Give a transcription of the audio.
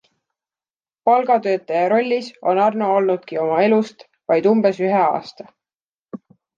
Palgatöötaja rollis on Arno olnudki oma elust vaid umbes ühe aasta.